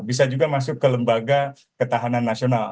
bisa juga masuk ke lembaga ketahanan nasional